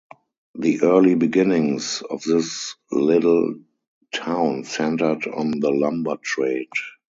The early beginnings of this little town centered on the lumber trade.